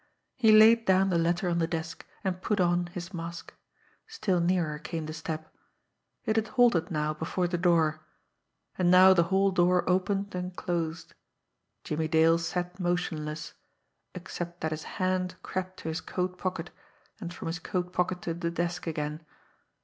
He laid down the letter on the desk, and put on his mask. Still nearer came the step. It had halted now before the door. And now the hall door opened and closed. Jimmie Dale sat motionless, except that his hand crept to his coat pocket, and from his coat pocket to the desk again.